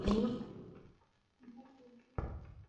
京都动画出身。